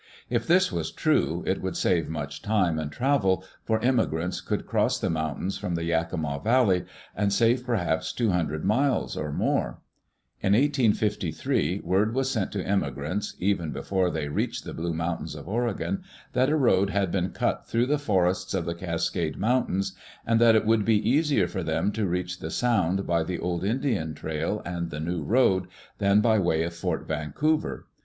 If this was true it would save much time and travel, for emigrants could cross the mountains from the Yakima Valley and save perhaps two hundred miles or more. In 1853, word was sent to immigrants, even before they reached the Blue Mountains of Oregon, that a road had been cut through the forests of the Cascade Moun tains, and that it would be easier for them to reach the Sound by the old Indian trail and the new road than by way of Fort Vancouver.